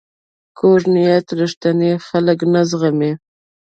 کوږ نیت رښتیني خلک نه زغمي